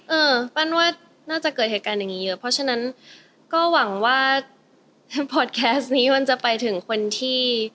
เออปั้นว่าน่าจะเกิดเหตุการณ์อย่างนี้เยอะเพราะฉะนั้นก็หวังว่าพอดแคสต์นี้มันจะไปถึงคนที่